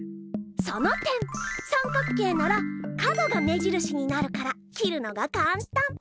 その点さんかく形なら角が目じるしになるから切るのがかんたん。